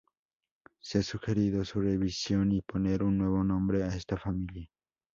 Se ha sugerido su revisión y poner un nuevo nombre a esta familia.